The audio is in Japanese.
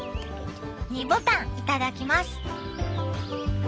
「２ボタンいただきます」。